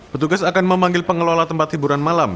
petugas akan memanggil pengelola tempat hiburan malam